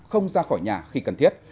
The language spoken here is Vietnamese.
không ra khỏi nhà khi cần thiết